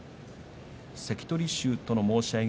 関取衆との申し合い